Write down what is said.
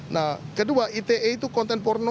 nah kedua ite itu konten porno